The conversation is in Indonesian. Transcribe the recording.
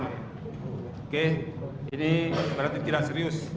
oke ini berarti tidak serius